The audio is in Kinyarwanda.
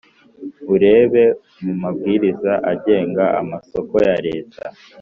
Urebe mu mabwiriza agenga amasoko ya Leta